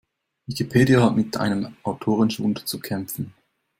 Wikipedia hat mit einem Autorenschwund zu kämpfen.